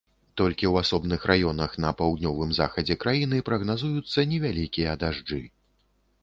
Толькі ў асобных раёнах на паўднёвым захадзе краіны прагназуюцца невялікія дажджы.